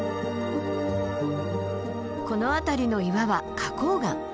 この辺りの岩は花崗岩。